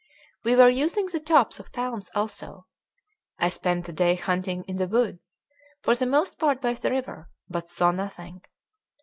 We were using the tops of palms also. I spent the day hunting in the woods, for the most part by the river, but saw nothing.